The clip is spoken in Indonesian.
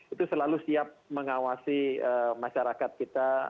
itu selalu siap mengawasi masyarakat kita